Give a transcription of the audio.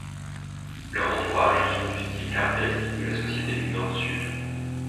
Leurs entourages sont du style caractéristique de la société du Nord-Sud.